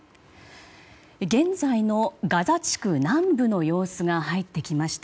現在のガザ地区南部の様子が入ってきました。